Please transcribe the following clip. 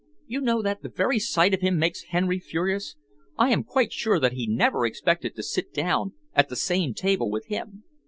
You know that the very sight of him makes Henry furious. I am quite sure that he never expected to sit down at the same table with him."